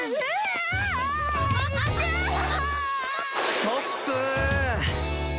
ストップ！